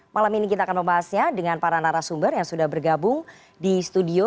malam ini kita akan membahasnya dengan para narasumber yang sudah bergabung di studio